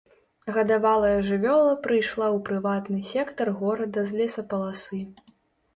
Гадавалая жывёла прыйшла ў прыватны сектар горада з лесапаласы.